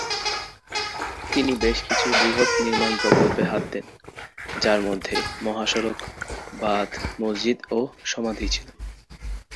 তিনি বেশ কিছু বৃহৎ নির্মাণ প্রকল্পে হাত দেন যার মধ্যে মহাসড়ক, বাধ, মসজিদ ও সমাধি ছিল।